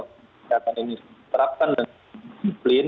ini diterapkan dan disiplin